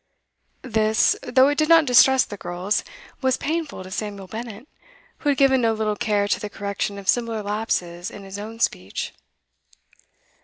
'_ This, though it did not distress the girls, was painful to Samuel Bennett, who had given no little care to the correction of similar lapses in his own speech.